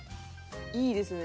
いいですね。